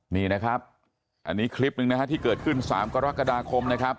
นี่นะครับอันนี้คลิปหนึ่งนะฮะที่เกิดขึ้น๓กรกฎาคมนะครับ